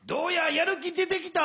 やる気出てきた？